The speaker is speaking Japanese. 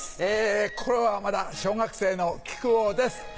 心はまだ小学生の木久扇です。